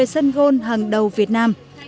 một mươi sân gôn hàng đầu việt nam